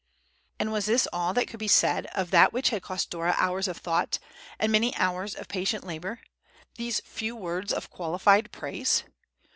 And was this all that could be said of that which had cost Dora hours of thought, and many hours of patient labor—these few words of qualified praise!